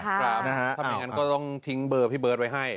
ถ้าไม่งั้นก็ต้องทิ้งเบอร์พี่เบิร์ตไว้ให้